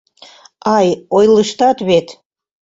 Ай, ойлыштат вет!..